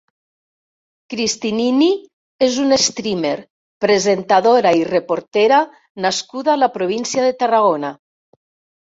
Cristinini és una streamer, presentadora i reportera nascuda a la província de Tarragona.